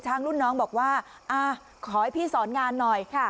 รุ่นน้องบอกว่าขอให้พี่สอนงานหน่อยค่ะ